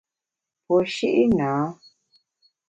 Puo shi’ nâ.